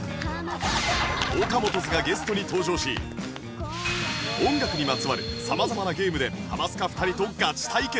ＯＫＡＭＯＴＯ’Ｓ がゲストに登場し音楽にまつわる様々なゲームで『ハマスカ』２人とガチ対決！